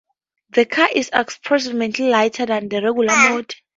The car is approximately lighter than the regular model.